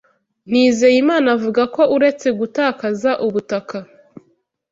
Nizeyimana avuga ko uretse gutakaza ubutaka